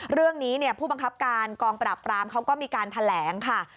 เรื่องนี้ผู้บังคับการกองปราบปรามเขาก็มีการแถลงค่ะ